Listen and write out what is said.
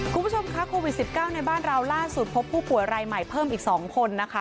คุณผู้ชมคะโควิด๑๙ในบ้านเราล่าสุดพบผู้ป่วยรายใหม่เพิ่มอีก๒คนนะคะ